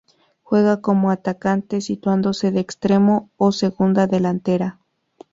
Juega como atacante, situándose de extremo o segunda delantera.